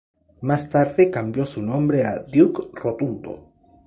Más tarde, cambió su nombre a Duke Rotundo.